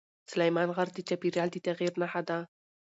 سلیمان غر د چاپېریال د تغیر نښه ده.